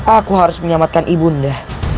aku harus menyelamatkan ibunda